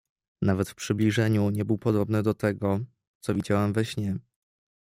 "Nawet w przybliżeniu nie był podobny do tego, co widziałem we śnie."